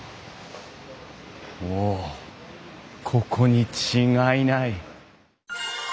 おここに違いない。